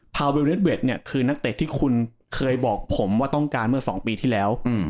วิลเลสเวทเนี่ยคือนักเตะที่คุณเคยบอกผมว่าต้องการเมื่อ๒ปีที่แล้ว